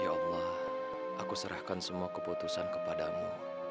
ya allah aku serahkan semua keputusan kepadamu